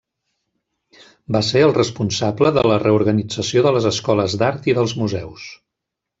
Va ser el responsable de la reorganització de les escoles d'art i dels museus.